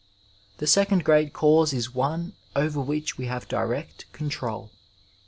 The second great cause is one over which we have direct control.